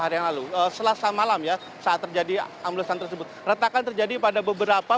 hari yang lalu selasa malam ya saat terjadi amblesan tersebut retakan terjadi pada beberapa